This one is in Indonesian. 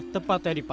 tempatnya di pasar